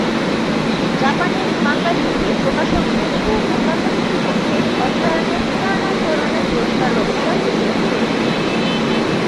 জাপানি মাঙ্গা শিল্পে প্রকাশকদের ও অন্যান্য কিছু পক্ষের অর্থায়নে নানান ধরনের পুরস্কার ব্যবস্থার প্রচলন রয়েছে।